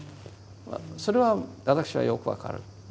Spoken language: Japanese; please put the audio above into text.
それは私はよく分かる。